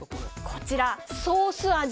こちら、ソース味。